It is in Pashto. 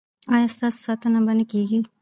ایا ستاسو ساتنه به نه کیږي؟